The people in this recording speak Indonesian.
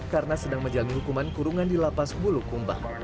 karena sedang menjalani hukuman kurungan di lapas bulukumba